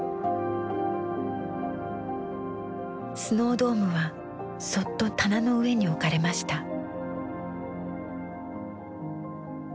スノードームはそっと棚の上に置かれました。